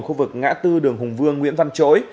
khu vực ngã tư đường hùng vương nguyễn văn chối